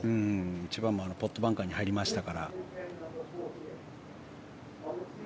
１番もポットバンカーに入りましたからね。